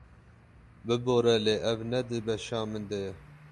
Bibore lê ev ne di beşa min de ye?